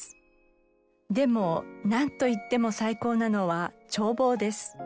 でもなんといっても最高なのは眺望です。